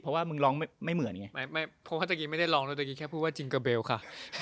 เพราะว่าเมื่อกี้ไม่ได้ลองเดี๋ยวกี่แค่พูดจิงเกอร์เบลค่ะ